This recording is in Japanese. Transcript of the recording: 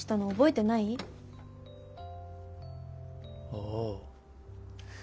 ああ。